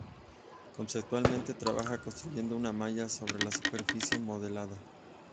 Conceptualmente, trabaja construyendo una "malla" sobre la superficie modelada.